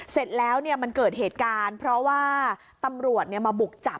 เสร็จแล้วมันเกิดเหตุการณ์เพราะว่าตำรวจมาบุกจับ